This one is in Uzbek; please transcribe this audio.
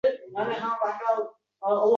Lekin qancha sayru sayohat, kayfu safo qilmasin